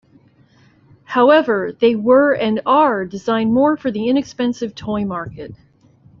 However, they were and are designed more for the inexpensive toy market.